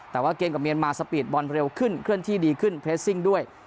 แต่ว่าเกมกับเมียนมาสปีดบอลเร็วขึ้นเคลื่อนที่ดีขึ้นเรสซิ่งด้วย